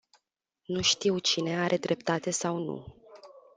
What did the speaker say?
Nu știu cine are dreptate sau nu.